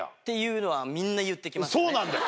そうなんだよ。